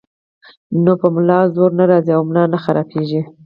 نو پۀ ملا زور نۀ راځي او ملا نۀ خرابيږي -